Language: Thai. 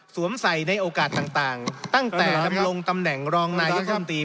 ใส่ในโอกาสต่างตั้งแต่ดำรงตำแหน่งรองนายกรรมตรี